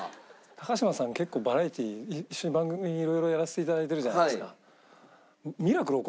嶋さん結構バラエティ一緒に番組色々やらせて頂いてるじゃないですか。